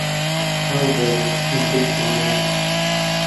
کاڵ بۆوە پەنجەی جوانان